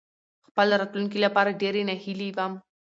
خپل راتلونکې لپاره ډېرې ناهيلې وم.